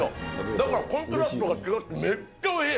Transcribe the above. だからコントラストが違ってめっちゃおいしい。